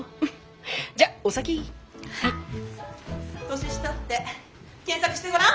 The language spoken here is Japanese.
「年下」って検索してごらん！